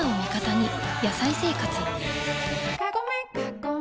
「野菜生活」